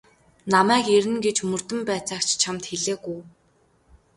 Намайг ирнэ гэж мөрдөн байцаагч чамд хэлээгүй.